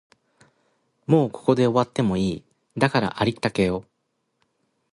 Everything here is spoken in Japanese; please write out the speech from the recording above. もうここで終わってもいい、だからありったけを